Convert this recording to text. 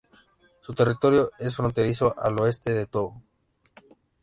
Su territorio es fronterizo al oeste con Togo.